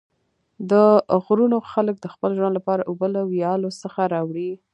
د غرونو خلک د خپل ژوند لپاره اوبه له ویالو څخه راوړي.